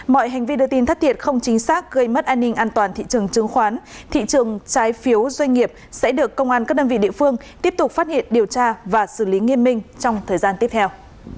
mọi hành vi đưa tin thất thiệt không chính xác gây mất an ninh an toàn thị trường chứng khoán thị trường trái phiếu doanh nghiệp sẽ được công an các đơn vị địa phương tiếp tục phát hiện điều tra và xử lý nghiêm minh trong thời gian tiếp theo